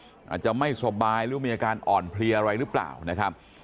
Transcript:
อาจจะไม่สบายหรือมีอาการอ่อนเพลียอะไรหรือเปล่านะครับ